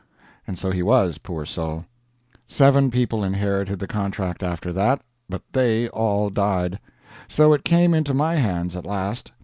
And so he was, poor soul. Seven people inherited the contract after that; but they all died. So it came into my hands at last.